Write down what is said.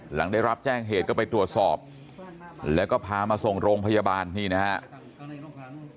หลังได้รับแจ้งเหตุก็ไปตรวจสอบแล้วก็พามาส่งโรงพยาบาลนี่นะครับ